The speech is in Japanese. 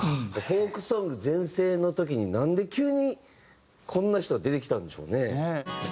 フォークソング全盛の時になんで急にこんな人が出てきたんでしょうね。